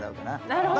なるほど。